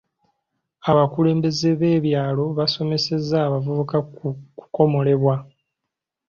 Abakulembeze b'ebyalo baasomesezza abavubuka ku kukomolebwa.